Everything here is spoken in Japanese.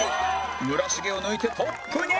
村重を抜いてトップに！